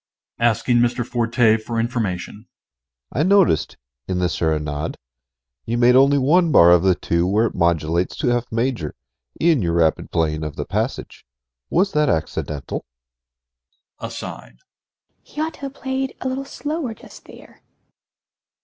MR. SILVER (asking Mr. Forte for information). I noticed, in the Serenade, you made only one bar of the two where it modulates to F major, in your rapid playing of the passage. Was that accidental? EMMA (aside). He ought to have played a little slower just there. MR. FORTE.